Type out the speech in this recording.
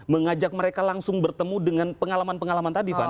mengajak mereka langsung bertemu dengan pengalaman pengalaman tadi fani